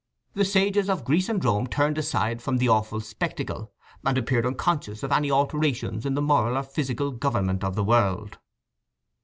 … The sages of Greece and Rome turned aside from the awful spectacle, and appeared unconscious of any alterations in the moral or physical government of the world."